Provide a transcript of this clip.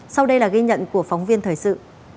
sau đây là ghi nhận của phóng viên thời sự